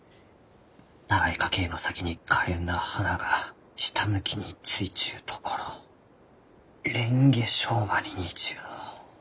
長い花茎の先にかれんな花が下向きについちゅうところレンゲショウマに似ちゅうのう。